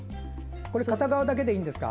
片側だけでいいんですか。